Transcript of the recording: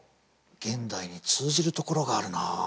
現代に通じるところがあるなあ。